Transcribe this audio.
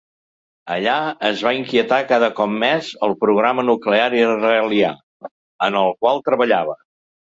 Allà el va inquietar cada cop més el programa nuclear israelià, en el qual treballava.